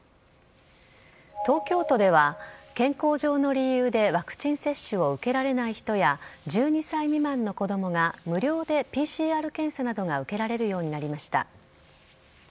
東京都では、健康上の理由でワクチン接種を受けられない人や１２歳未満の子供が、無料でＰＣＲ検査などが受けられるようになりました。